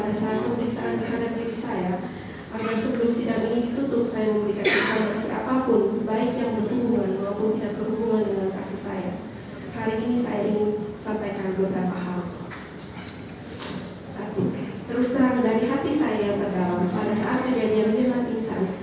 namun seiring perjalanan sidang saya merasakan bahwa majelis hakim memperatuhkan saya dengan baik dan berhubungan